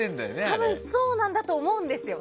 多分そうなんだと思うんですよ。